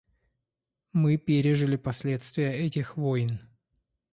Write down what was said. Мы пережили последствия этих войн.